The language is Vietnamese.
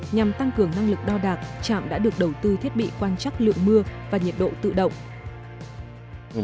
nhằm tăng cường năng lực đo đạc trạm đã được đầu tư thiết bị quan trắc lượng mưa và nhiệt độ tự động